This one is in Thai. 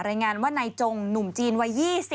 รายงานว่านายจงหนุ่มจีนวัย๒๐